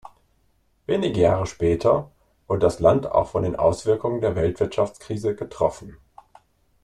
Wenige Jahre später wurde das Land auch von den Auswirkungen der Weltwirtschaftskrise getroffen.